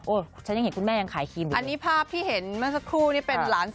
โอ๊ะฉันยังเห็นคุณแม่ยังขายขี้หนูเลย